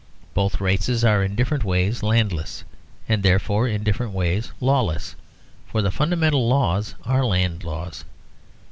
Both races are in different ways landless, and therefore in different ways lawless. For the fundamental laws are land laws.